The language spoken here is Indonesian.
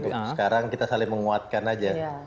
untuk sekarang kita saling menguatkan aja